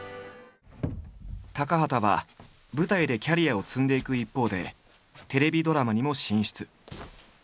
高畑は舞台でキャリアを積んでいく一方でテレビドラマにも進出。